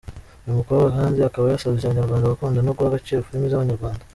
Uyu mukobwa kandi akaba, yasabye abanyarwanda gukunda no guha agaciro filimi z’abanyarwanda.